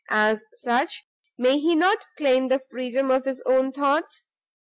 as such, may he not claim the freedom of his own thoughts?